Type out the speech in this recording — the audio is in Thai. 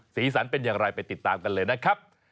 สีสันเป็นอย่างไรไปติดตามกันเลยนะครับ